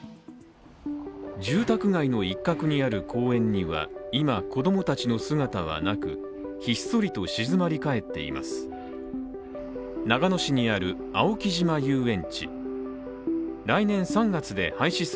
住宅街の一角にある公園には今、子供たちの姿はなくひっそりと静まりかえっています。